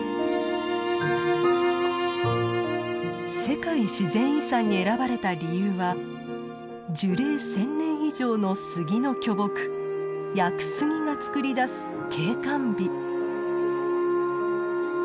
世界自然遺産に選ばれた理由は樹齢１，０００年以上のスギの巨木屋久杉がつくり出す景観美。